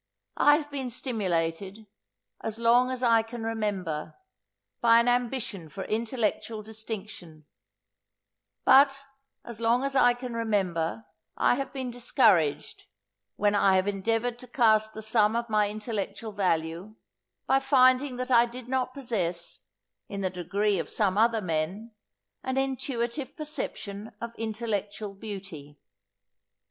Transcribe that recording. I have been stimulated, as long as I can remember, by an ambition for intellectual distinction; but, as long as I can remember, I have been discouraged, when I have endeavoured to cast the sum of my intellectual value, by finding that I did not possess, in the degree of some other men, an intuitive perception of intellectual beauty.